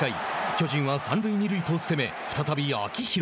巨人は三塁二塁と攻め再び秋広。